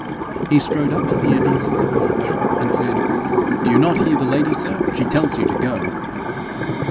He strode up to the entrance of the porch, and said, 'Do you not hear the lady, sir? She tells you to go.'